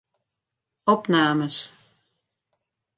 Opnames.